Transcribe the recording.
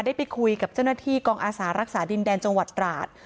ได้ไปคุยกับเจ้าหน้าที่กองอาสารักษาดินแดนจังหวัดตราด